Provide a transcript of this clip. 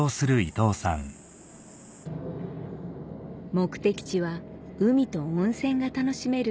目的地は海と温泉が楽しめる